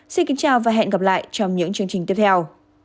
xin kính chào và hẹn gặp lại trong những chương trình tiếp theo